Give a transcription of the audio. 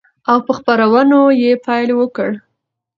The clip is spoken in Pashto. او په خپرونو يې پيل وكړ،